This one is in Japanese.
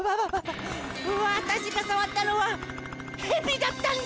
わたしがさわったのはヘビだったんですか？